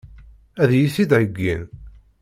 Ad iyi-t-id-heggin?